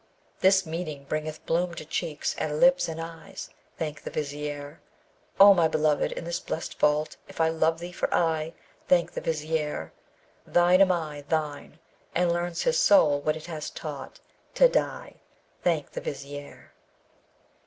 This meeting bringeth bloom to cheeks and lips and eyes: Thank the Vizier! O my beloved in this blest vault, if I love thee for aye, Thank the Vizier! Thine am I, thine! and learns his soul what it has taught to die, Thank the Vizier!